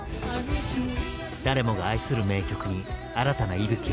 誰もが愛する名曲に新たな息吹を。